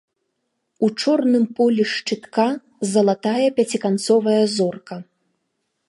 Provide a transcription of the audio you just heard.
У чорным полі шчытка залатая пяціканцовая зорка.